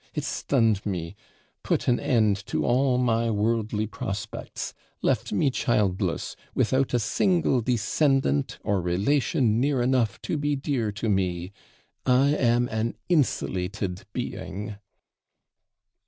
it stunned me put an end to all my worldly prospects left me childless, without a single descendant or relation near enough to be dear to me! I am an insulated being!'